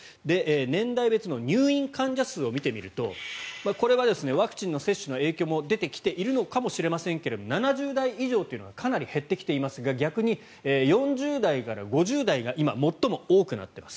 年代別の入院患者数を見てみますとワクチン接種の影響も出てきているのかもしれませんが７０代以上というのはかなり減ってきていますが逆にに４０代から５０代が今、最も多くなっています。